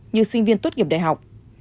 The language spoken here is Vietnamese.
như sinh viên tốt nghiệp đại học